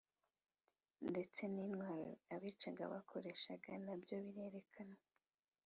ndetse n’intwaro abicaga bakoresheje na byo birerekanwa